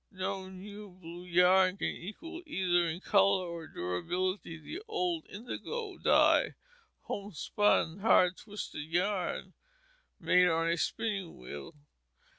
No new blue yarn can equal either in color or durability the old indigo dyed, homespun, hard twisted yarn made on a spinning wheel.